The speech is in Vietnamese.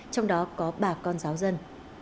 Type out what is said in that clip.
trong đó có bà con giáo dân